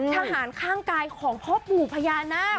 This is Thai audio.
ข้างกายของพ่อปู่พญานาค